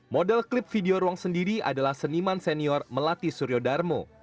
model klip video ruang sendiri adalah seniman senior melati suryo darmo